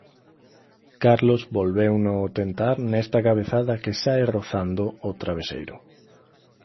Carlos volveuno tentar nesta cabezada que sae rozando o traveseiro.